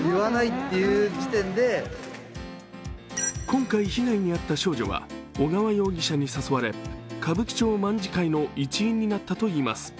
今回、被害に遭った少女は小川容疑者に誘われ、歌舞伎町卍会の一員になったといいます。